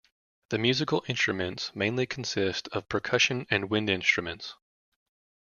The musical instruments mainly consist of percussion and wind instruments.